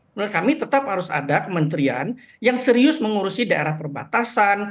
menurut kami tetap harus ada kementerian yang serius mengurusi daerah perbatasan